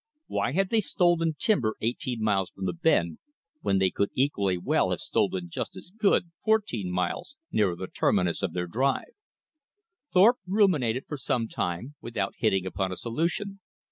Why had they stolen timber eighteen miles from the bend, when they could equally well have stolen just as good fourteen miles nearer the terminus of their drive? Thorpe ruminated for some time without hitting upon a solution.